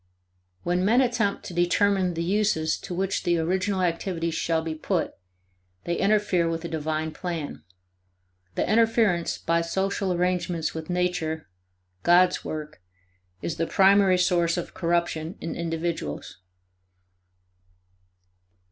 When men attempt to determine the uses to which the original activities shall be put, they interfere with a divine plan. The interference by social arrangements with Nature, God's work, is the primary source of corruption in individuals.